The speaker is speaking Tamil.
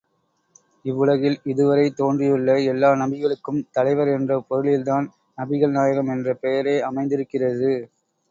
இவ்வுலகில் இதுவரை தோன்றியுள்ள எல்லா நபிகளுக்கும் தலைவர் என்ற பொருளில்தான், நபிகள் நாயகம் என்ற பெயரே அமைந்திருக்கிறது.